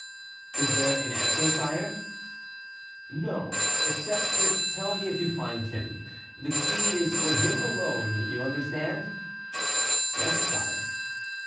"Is there an answer, sire?" "No, except to tell me if you find him. The key is for him alone, you understand?" "Yes, sire."